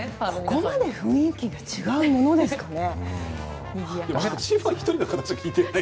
ここまで雰囲気が違うものですかね。